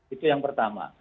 itu yang pertama